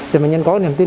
để bệnh nhân có niềm tin